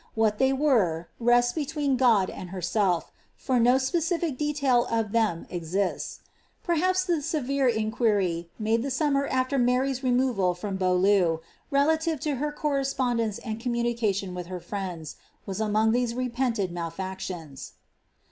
What they were, rests between God and herself, for no speciiic detail of them exists. Perhaps tlie severe in quir}', made the summer after Mary^s removal from Bcsaulieu, relative to her correspondence and communication with her friends, waa amoag these repented malefactions.